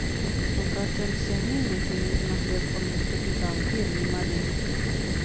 Бо працэнт сямей, якія не змаглі аформіць капітал, вельмі маленькі.